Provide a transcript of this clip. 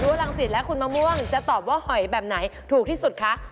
รังศิษย์และคุณมะม่วงจะตอบว่าหอยแบบไหนถูกที่สุดคะ